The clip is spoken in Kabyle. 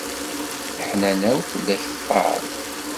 Leḥnana-w fell-ak tfaḍ.